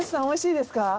おいしいですか？